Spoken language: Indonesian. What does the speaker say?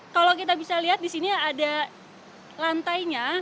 kalau kita bisa lihat di sini ada lantainya